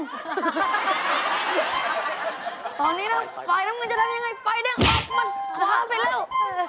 ตอนนี้ฝ่ายน้ำมือจะทำอย่างไรฝ่ายน้ำมือออกมัดฝ้าไปแล้ว